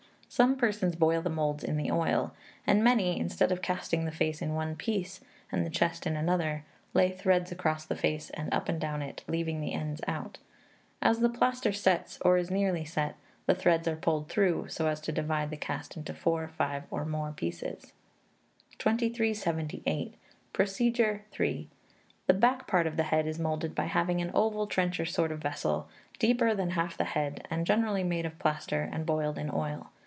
Some persons boil the moulds in the oil; and many, instead of casting the face in one piece, and the chest in another, lay threads across the face and up and down it, leaving the ends out. As the plaster sets, or is nearly set, the threads are pulled through, so as to divide the cast into four, five, or more pieces. 2378. Procedure (3). The back part of the head is moulded by having an oval trencher sort of vessel, deeper than half the head, and generally made of plaster, and boiled in oil.